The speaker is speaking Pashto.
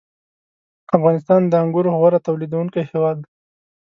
• افغانستان د انګورو غوره تولیدوونکی هېواد دی.